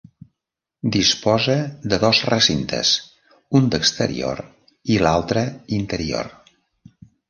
Disposa de dos recintes, un d'exterior i l'altre, interior.